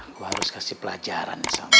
gue harus kasih pelajaran sama dia